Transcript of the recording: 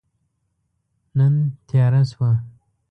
نن تیاره شوه